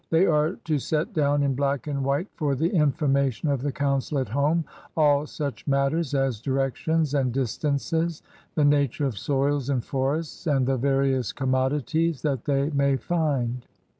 They are to set down in black and white for the information of the G>uncil at home all such matters as directions and distances, the nature of soils and forests and the various conunodities that they may find.